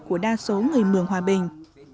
của đa số người mường hòa bình